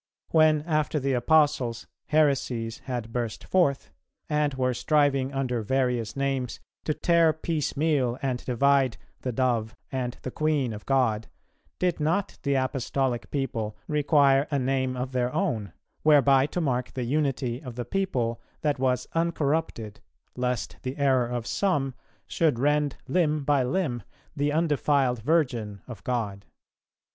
When, after the Apostles, heresies had burst forth, and were striving under various names to tear piecemeal and divide 'the Dove' and 'the Queen' of God, did not the Apostolic people require a name of their own, whereby to mark the unity of the people that was uncorrupted, lest the error of some should rend limb by limb 'the undefiled virgin' of God?